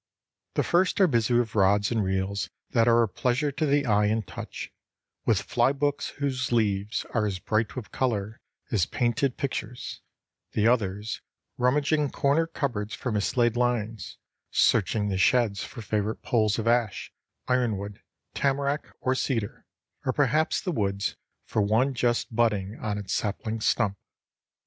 The first are busy with rods and reels that are a pleasure to the eye and touch, with fly books whose leaves are as bright with color as painted pictures, the others rummaging corner cupboards for mislaid lines, searching the sheds for favorite poles of ash, ironwood, tamarack, or cedar, or perhaps the woods for one just budding on its sapling stump.